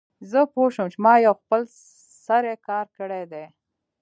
زه پوه شوم چې ما یو خپل سری کار کړی دی